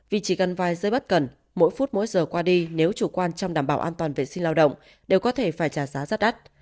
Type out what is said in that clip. vì chỉ cần vài giây bất cần mỗi phút mỗi giờ qua đi nếu chủ quan trong đảm bảo an toàn vệ sinh lao động đều có thể phải trả giá rất đắt